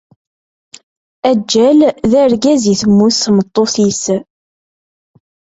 Aǧǧal d argaz i temmut tmeṭṭut-is.